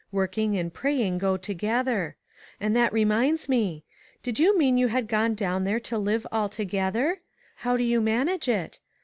Working and praying go together. And that reminds me : did you mean you had gone down there to live alto gether? How do you manage it?